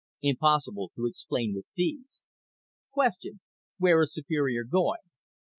IMPOSSIBLE TO EXPLAIN WITH THESE Q. WHERE IS SUPERIOR GOING A.